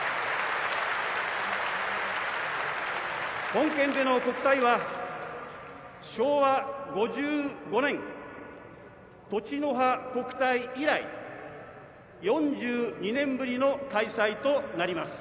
本県での国体は昭和５５年「栃の葉国体」以来４２年ぶりの開催となります。